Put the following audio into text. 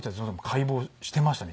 解剖してましたね